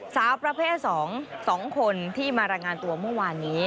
สาวประเภท๒๒คนที่มารายงานตัวเมื่อวานนี้